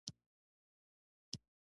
دوې شپې يې تېرولې او بيا بېرته راته.